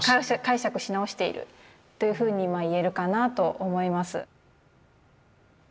解釈し直しているというふうに言えるかなと思います。